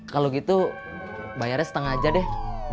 kalau gitu bayarnya setengah aja deh